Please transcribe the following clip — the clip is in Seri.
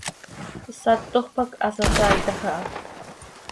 Satoj pac hasasaiitaj aha.